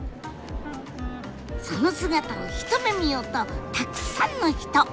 その姿を一目見ようとたくさんの人！